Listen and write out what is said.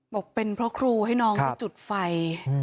บอกเป็นเพราะครูให้น้องไปจุดไฟ